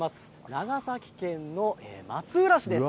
長崎県の松浦市です。